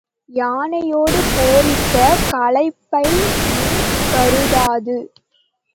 யானையோடு போரிட்ட களைப்பையுங் கருதாது.